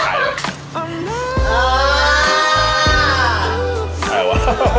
อะไรวะ